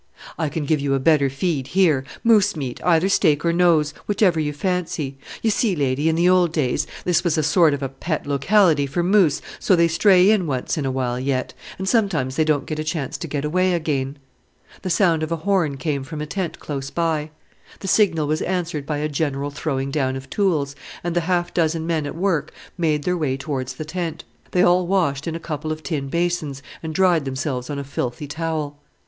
"I can give you a better feed here: moose meat, either steak or nose, whichever you fancy. You see, lady, in the old days this was a sort of a pet locality for moose, so they stray in once in a while yet, and sometimes they don't get a chance to get away again." The sound of a horn came from a tent close by. The signal was answered by a general throwing down of tools, and the half dozen men at work made their way towards the tent. They all washed in a couple of tin basins, and dried themselves on a filthy towel.